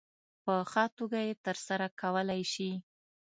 په ښه توګه یې ترسره کولای شي.